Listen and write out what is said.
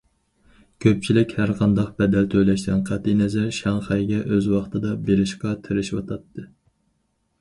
كۆپچىلىك ھەرقانداق بەدەل تۆلەشتىن قەتئىينەزەر شاڭخەيگە ئۆز ۋاقتىدا بېرىشقا تىرىشىۋاتاتتى.